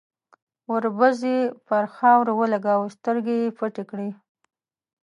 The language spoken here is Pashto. ، وربوز يې پر خاورو ولګاوه، سترګې يې پټې کړې.